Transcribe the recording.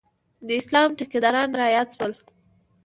د اسلام ټیکداران رایاد شول.